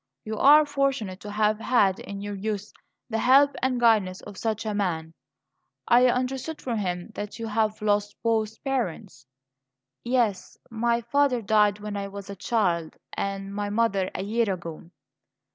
You are fortunate to have had in your youth the help and guidance of such a man. I understood from him that you have lost both parents." "Yes; my father died when I was a child, and my mother a year ago."